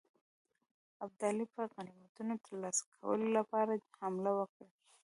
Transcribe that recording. ابدالي به د غنیمتونو ترلاسه کولو لپاره حمله وکړي.